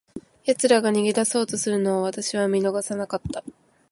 奴らが逃げ出そうとするのを、私は見逃さなかった。